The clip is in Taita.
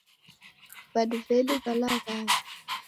Vadu vedu valaghaya.